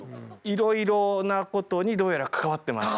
いろいろなことにどうやら関わってまして。